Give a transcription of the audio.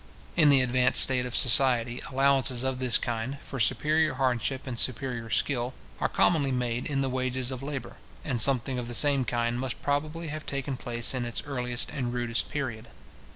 In the advanced state of society, allowances of this kind, for superior hardship and superior skill, are commonly made in the wages of labour; and something of the same kind must probably have taken place in its earliest and rudest period.